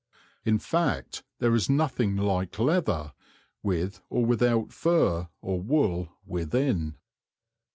In fact, there is nothing like leather, with or without fur or wool within.